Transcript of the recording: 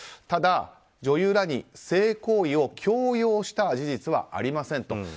ただ、女優らに性行為を強要した事実はありませんと。